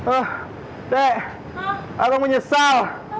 ah dek aku menyesal